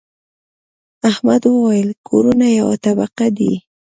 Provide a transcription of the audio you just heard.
احمد وويل: کورونه یوه طبقه دي.